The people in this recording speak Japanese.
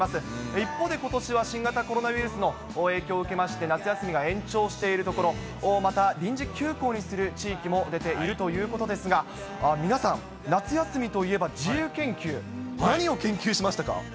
一方でことしは新型コロナウイルスの影響を受けまして、夏休みが延長している所、また臨時休校にする地域も出ているということですが、皆さん、夏休みといえば自由研究、何を研究しましたか？